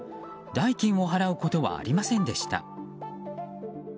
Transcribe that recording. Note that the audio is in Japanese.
代金を払うことはありませんでした。